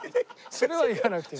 それは言わなくていい。